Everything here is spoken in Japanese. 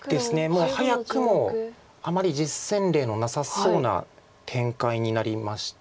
もう早くもあまり実戦例のなさそうな展開になりました